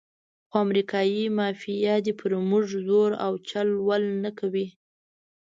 خو امریکایي مافیا دې پر موږ زور او چل ول نه کوي.